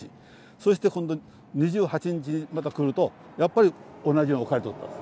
そして今度２８日にまた来ると、やっぱり、同じように置かれていたと。